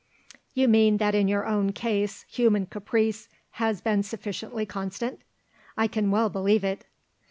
"You mean that in your own case human caprice has been sufficiently constant? I can well believe it."